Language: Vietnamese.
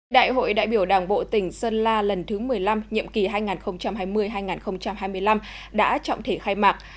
đại hội đại biểu đảng bộ tỉnh sơn la lần thứ một mươi năm nhiệm kỳ hai nghìn hai mươi hai nghìn hai mươi năm đã trọng thể khai mạc